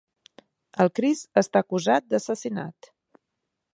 El Chris està acusat d'assassinat.